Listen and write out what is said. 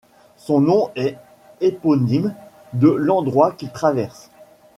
Son nom est éponyme de l'endroit qu'il traverse.